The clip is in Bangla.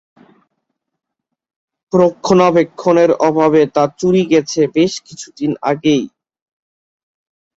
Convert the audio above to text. রক্ষণাবেক্ষণের অভাবে তা চুরি গেছে বেশ কিছুদিন আগেই।